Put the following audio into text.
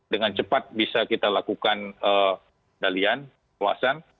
dengan cepat bisa kita lakukan dalian kawasan